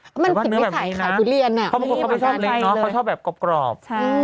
แต่ว่าเนื้อแบบนี้นะเค้าไม่ชอบเล็กเนอะเค้าชอบแบบกรอบ